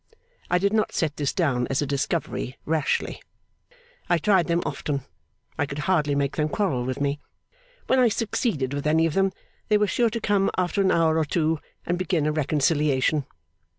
I did not set this down as a discovery, rashly. I tried them often. I could hardly make them quarrel with me. When I succeeded with any of them, they were sure to come after an hour or two, and begin a reconciliation.